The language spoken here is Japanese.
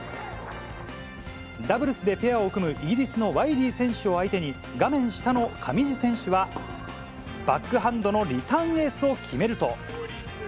ダブルスでペアを組む、イギリスのワイリー選手を相手に、画面下の上地選手は、バックハンドのリターンエースを決めると。